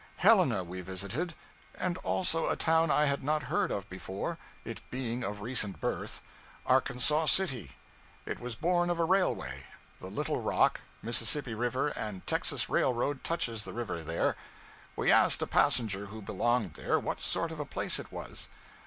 Helena we visited, and also a town I had not heard of before, it being of recent birth Arkansas City. It was born of a railway; the Little Rock, Mississippi River and Texas Railroad touches the river there. We asked a passenger who belonged there what sort of a place it was.